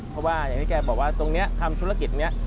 เพราะว่าอย่างที่แกบอกว่าตรงนี้ทำธุรกิจนี้